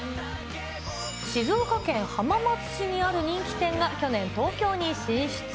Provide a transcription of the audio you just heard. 静岡県浜松市にある人気店が去年、東京に進出。